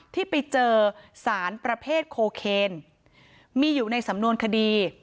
ที่ไปเจอสารประเภทโคเคนมีอยู่ในสำนวนคดี